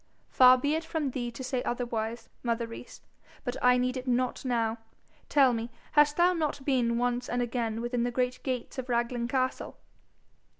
'Far be it from thee to say otherwise, mother Rees. But I need it not now. Tell me, hast thou not been once and again within the great gates of Raglan castle?'